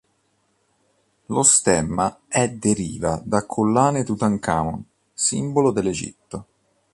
Lo stemma è deriva da collane Tutankhamon, simbolo del Egitto.